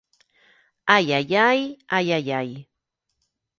Ai, ai, ai, ai, ai, ai!